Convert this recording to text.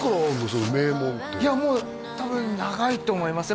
その名門っていやもう多分長いと思いますね